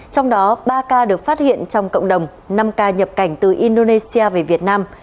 trong đó ba ca được phát hiện trong cộng đồng năm ca nhập cảnh từ indonesia về việt nam